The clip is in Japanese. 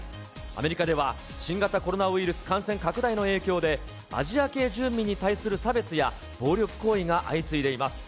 アメリカでは、新型コロナウイルス感染拡大の影響で、アジア系住民に対する差別や、暴力行為が相次いでいます。